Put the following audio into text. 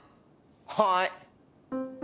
はい。